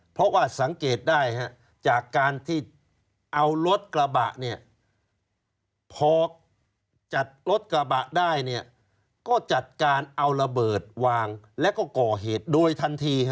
เพราะว่าสังเกตได้จากการที่เอารถกระบะเนี่ยพอจัดรถกระบะได้เนี่ยก็จัดการเอาระเบิดวางแล้วก็ก่อเหตุโดยทันที